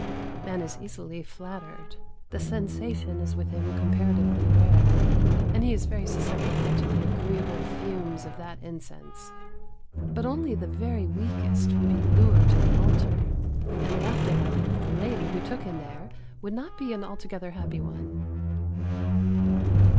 Man is easily flattered, the sensation is with him comparatively rare, and he is very susceptible to the agreeable fumes of that incense; but only the very weakest would be lured to the altar, and the after life of the lady who took him there would not be an altogether happy one.